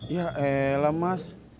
ya elah mas